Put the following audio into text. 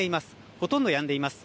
ほとんどやんでいます。